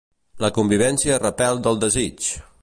La convivència a repèl del desig!